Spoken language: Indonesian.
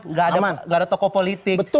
nggak ada toko politik